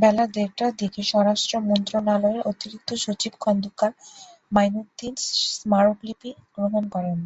বেলা দেড়টার দিকে স্বরাষ্ট্র মন্ত্রণালয়ের অতিরিক্ত সচিব খন্দকার মাঈনুদ্দিন স্মারকলিপি গ্রহণ করেন।